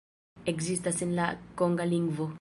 Ekzistas en la konga lingvo.